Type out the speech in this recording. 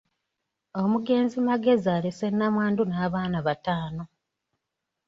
Omugenzi Magezi alese nnamwandu n’abaana bataano.